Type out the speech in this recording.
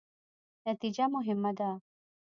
نتیجه مهمه ده